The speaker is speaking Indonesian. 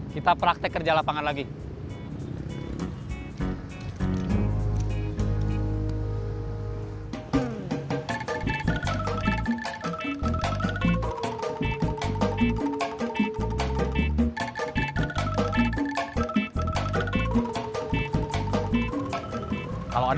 kita praktek kerja lapangan lagi